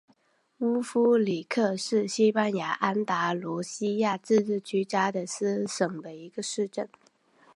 乌夫里克是西班牙安达卢西亚自治区加的斯省的一个市镇。